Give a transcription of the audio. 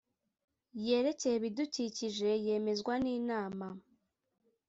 yerekeye ibidukikije yemezwa n Inama